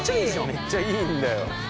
めっちゃいいんだよ。